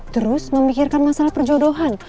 terus memikirkan masalah perjodohan